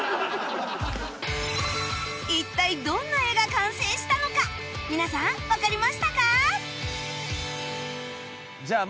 一体どんな絵が完成したのか皆さんわかりましたか？